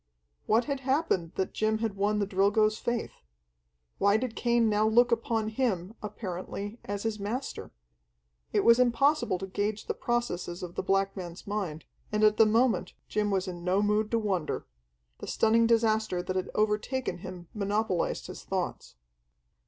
What had happened that Jim had won the Drilgo's faith? Why did Cain now look upon him, apparently, as his master? It was impossible to gauge the processes of the black man's mind, and at the moment Jim was in no mood to wonder. The stunning disaster that had overtaken him monopolized his thoughts.